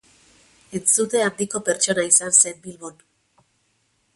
Entzute handiko pertsona izan zen Bilbon.